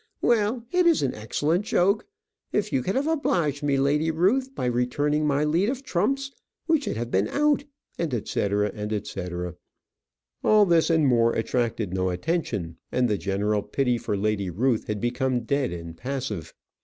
well, it is an excellent joke if you could have obliged me, Lady Ruth, by returning my lead of trumps, we should have been out," &c., &c., &c. All this and more attracted no attention, and the general pity for Lady Ruth had become dead and passive.